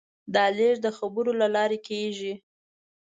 دا لېږد د خبرو له لارې کېږي.